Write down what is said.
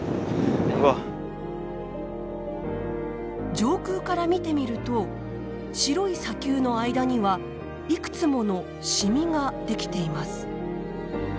上空から見てみると白い砂丘の間にはいくつものシミができています。